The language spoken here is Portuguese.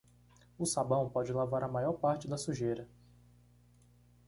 O sabão pode lavar a maior parte da sujeira.